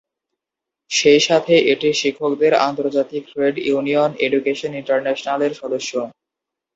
সেই সাথে এটি শিক্ষকদের আন্তর্জাতিক ট্রেড ইউনিয়ন এডুকেশন ইন্টারন্যাশনালের সদস্য।